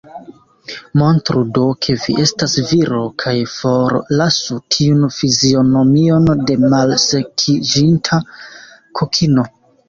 Montru do, ke vi estas viro, kaj forlasu tiun fizionomion de malsekiĝinta kokino.